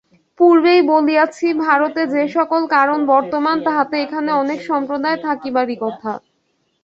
পূর্বেই বলিয়াছি, ভারতে যে-সকল কারণ বর্তমান, তাহাতে এখানে অনেক সম্প্রদায় থাকিবারই কথা।